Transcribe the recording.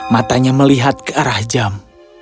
matanya melihat ke arah jam